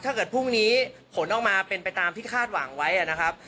ถ้าเกิดพรุ่งนี้ผลออกมาเป็นไปตามที่คาดหวังไว้นะครับ